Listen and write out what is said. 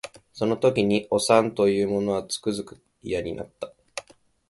その時におさんと言う者はつくづく嫌になった